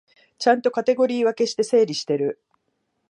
ちゃんとカテゴリー分けして整理してる